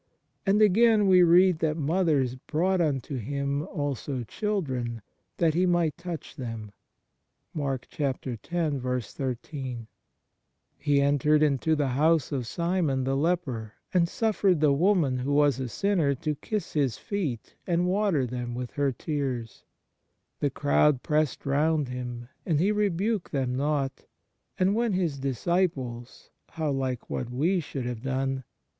And, again, we read that mothers 129 THE MARVELS OF DIVINE GRACE brought unto Him also children, that He might touch them." 1 He entered into the house of Simon the leper, and suffered " the woman who was a sinner " to kiss His feet and water them with her tears. The crowd pressed round Him, and He re buked them not; and when His disciples (how like what we should have done